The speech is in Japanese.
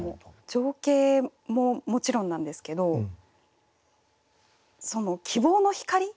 情景ももちろんなんですけど希望の光。